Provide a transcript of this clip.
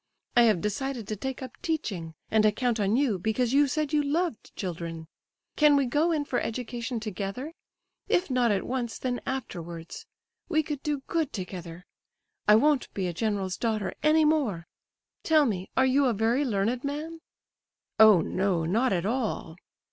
I have decided to take up teaching, and I count on you because you said you loved children. Can we go in for education together—if not at once, then afterwards? We could do good together. I won't be a general's daughter any more! Tell me, are you a very learned man?" "Oh no; not at all."